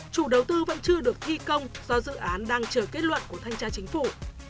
chủ đầu tư vẫn chưa được thi công do dự án đang chờ kết luận của thanh tra chính phủ